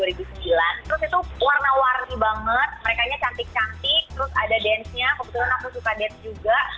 terus itu warna warni banget merekanya cantik cantik terus ada dance nya kebetulan aku suka dance juga